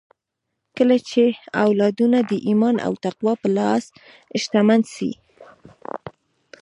کله چې اولادونه د ايمان او تقوی په لحاظ شتمن سي